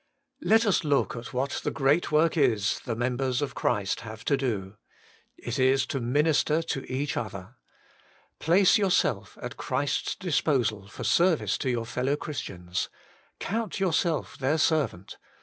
Let us look at what the great work is the members of Christ have to do. It is to min ister to each other. Place yourself at Christ's disposal for service to your fellow Christians. Count yourself their servant.